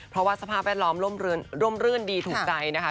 เพราะว่าสภาพแวดล้อมร่มรื่นดีถูกใจนะคะ